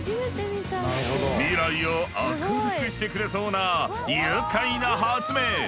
未来を明るくしてくれそうな愉快な発明。